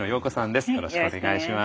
よろしくお願いします。